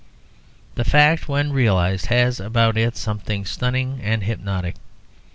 The fact, when realised, has about it something stunning and hypnotic.